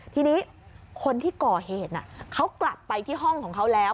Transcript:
ทีนี้คนที่ก่อเหตุเขากลับไปที่ห้องของเขาแล้ว